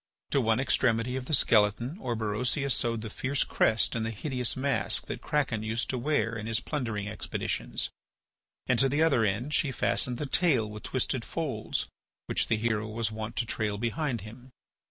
To one extremity of the skeleton Orberosia sewed the fierce crest and the hideous mask that Kraken used to wear in his plundering expeditions, and to the other end she fastened the tail with twisted folds which the hero was wont to trail behind him.